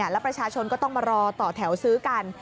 แล้วประชาชนก็ต้องมารอต่อแถวซื้อกัน